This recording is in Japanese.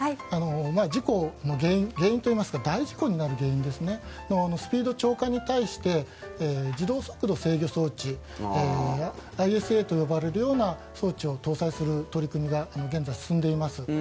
事故の原因といいますか大事故になる原因スピード超過に対して自動速度制御装置ＩＳＡと呼ばれるような装置を設置する取り組みが現在、進んでいます。